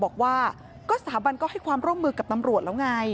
ก็สถาบันก็ให้ความโรงมือกับตำรวจแล้วไง